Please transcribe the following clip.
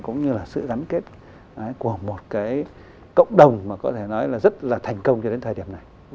cũng như là sự gắn kết của một cái cộng đồng mà có thể nói là rất là thành công cho đến thời điểm này